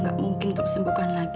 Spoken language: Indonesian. kamu masih bisa jawab